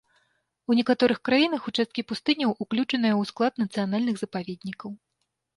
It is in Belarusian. У некаторых краінах участкі пустыняў уключаныя ў склад нацыянальных запаведнікаў.